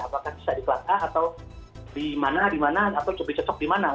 apakah bisa di kelas a atau di mana di mana atau lebih cocok di mana